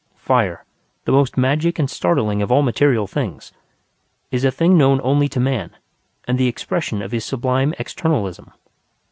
Fire, the most magic and startling of all material things, is a thing known only to man and the expression of his sublime externalism.